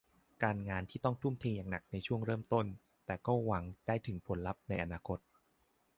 การงานที่ต้องทุ่มเทอย่างหนักในช่วงเริ่มต้น แต่ก็หวังได้ถึงผลลัพธ์ในอนาคต